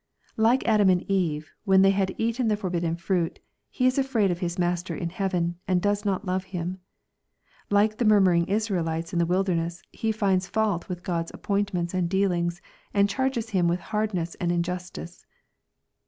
Like Adam and Eve, when they had eaten the forbidden fruit, he is afraid of his Master in heaven, and does not love Him. Like the murmur ing Israelites in the wilderness, he finds fault with God's appoint, ments and dealings, and charges Him with hardness and in justice.